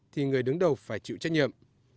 thì người đứng đầu phải chịu trách nhiệm